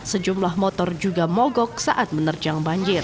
sejumlah motor juga mogok saat menerjang banjir